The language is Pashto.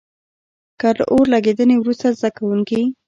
که له اور لګېدنې وروسته زده کوونکي.